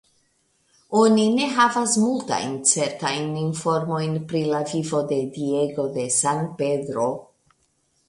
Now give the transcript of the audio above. Oni ne havas multajn certajn informojn pri la vivo de Diego de San Pedro.